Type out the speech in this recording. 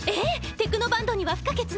テクノバンドには不可欠ね。